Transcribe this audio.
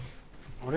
あれ？